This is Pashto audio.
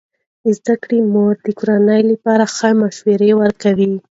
د زده کړې مور د کورنۍ لپاره ښه مشوره ورکوي.